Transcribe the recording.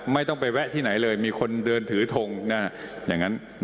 ไม่ต้องไปแวะที่ไหนเลยมีคนเดินถือทง